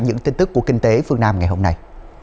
những tin tức của kinh tế phương nam ngày hôm nay